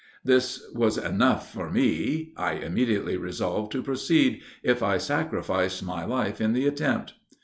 This was enough for me; I immediately resolved to proceed, if I sacrificed my life in the attempt.